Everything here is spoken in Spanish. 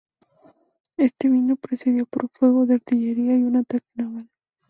Este vino precedido por fuego de artillería y un ataque naval.